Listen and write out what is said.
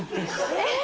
えっ！